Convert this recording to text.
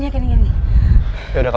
dia akan kacau kita